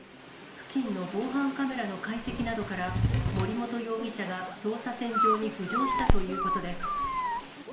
付近の防犯カメラの解析などから、森本容疑者が捜査線上に浮上したということです。